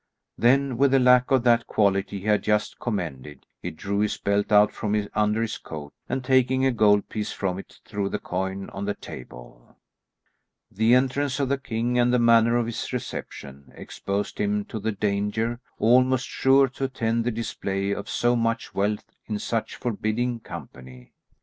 Then with a lack of that quality he had just commended, he drew his belt out from under his coat, and taking a gold piece from it, threw the coin on the table. The entrance of the king and the manner of his reception exposed him to the danger almost sure to attend the display of so much wealth in such forbidding company.